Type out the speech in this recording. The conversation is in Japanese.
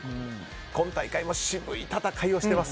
今大会も渋い戦いをしています。